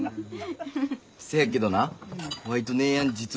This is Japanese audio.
せやけどなワイと姉やん実は。